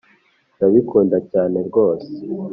ndabikunda cyane rwose